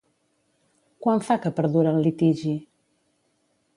Quant fa que perdura el litigi?